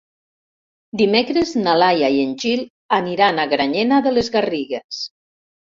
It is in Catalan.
Dimecres na Laia i en Gil aniran a Granyena de les Garrigues.